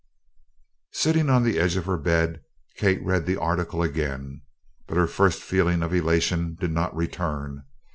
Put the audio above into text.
Sitting on the edge of her bed Kate read the article again, but her first feeling of elation did not return.